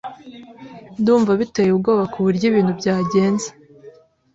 Ndumva biteye ubwoba kuburyo ibintu byagenze .